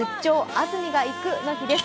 安住がいく」の日です。